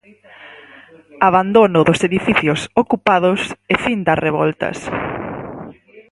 Abandono dos edificios ocupados e fin das revoltas.